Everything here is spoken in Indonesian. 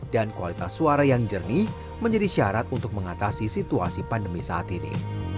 dan kualitas suara yang jernih menjadi syarat untuk mengatasi situasi pandemi saat ini